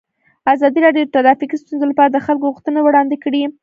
ازادي راډیو د ټرافیکي ستونزې لپاره د خلکو غوښتنې وړاندې کړي.